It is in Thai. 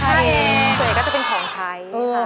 ส่วนเองก็จะเป็นของใช้